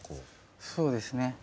そうですね